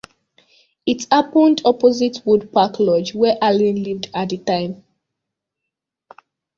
It happened opposite 'Woodpark Lodge', where Harling lived at the time.